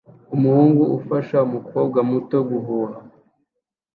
Umuhungu ufasha umukobwa muto guhuha